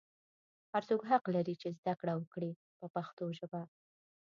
هر څوک حق لري چې زده کړه وکړي په پښتو ژبه.